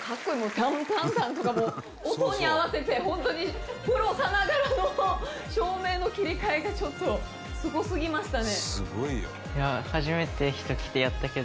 タンタンタンとかもう音に合わせて本当にプロさながらの照明の切り替えがちょっとすごすぎましたね。